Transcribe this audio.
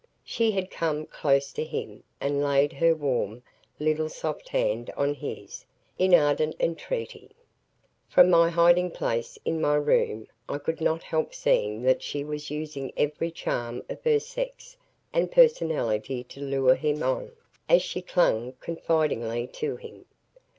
She had come close to him and had laid her warm, little soft hand on his, in ardent entreaty. From my hiding place in my room, I could not help seeing that she was using every charm of her sex and personality to lure him on, as she clung confidingly to him.